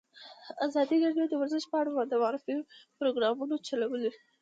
ازادي راډیو د ورزش په اړه د معارفې پروګرامونه چلولي.